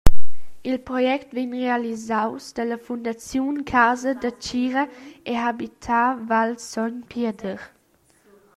Il project vegn realisaus dalla Fundaziun casa da tgira e habitar Val Sogn Pieder.